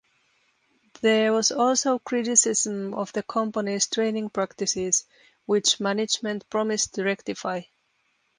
There was also criticism of the company's training practices, which management promised to rectify.